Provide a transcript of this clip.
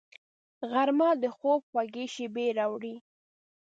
غرمه د خوب خوږې شېبې راوړي